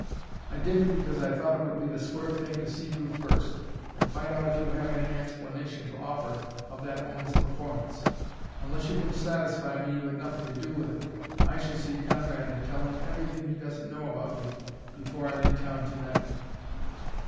"I didn't because I thought it would be the square thing to see you first, and find out if you have any explanation to offer of that woman's performance. Unless you can satisfy me you had nothing to do with it, I shall see Conrad and tell him everything he doesn't know about you before I leave town to night."